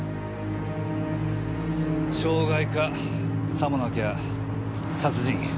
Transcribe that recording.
傷害かさもなきゃ殺人。